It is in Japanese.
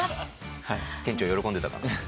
店長喜んでたかな？